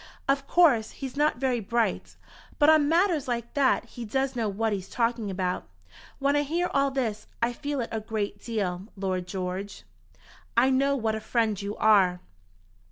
Of course he's not very bright, but on matters like that he does know what he's talking about. When I hear all this I feel it a great deal, Lord George." "I know what a friend you are."